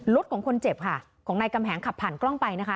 รถของคนเจ็บขวางในกำแหงขับผ่านกล้องไป